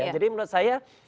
jadi menurut saya